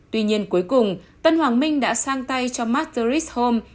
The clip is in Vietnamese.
tuy nhiên cuối cùng tân hoàng minh đã sang tay cho mastery s home